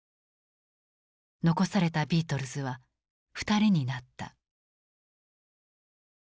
残されたビートルズは２人になった。